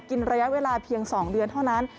กินระยะเวลาเพียง๒เดือนเท่านั้น